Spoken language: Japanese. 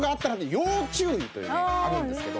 要注意というねあるんですけど。